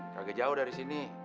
kagak jauh dari sini